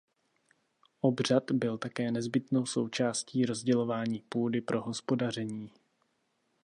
Obřad byl také nezbytnou součástí rozdělování půdy pro hospodaření.